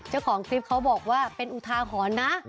เจ้าของคลิปเขาบอกว่าเป็นอุทาหรณ์นะ